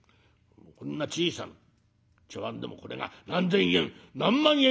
こんな小さな茶わんでもこれが何千円何万円という品物だ」。